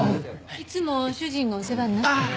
いつも主人がお世話になってます。